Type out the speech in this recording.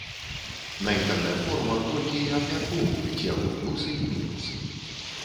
На інтэрнэт-форумах толькі і абмяркоўваюць яго плюсы і мінусы.